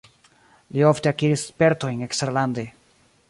Li ofte akiris spertojn eksterlande.